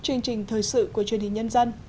chương trình thời sự của truyền hình nhân dân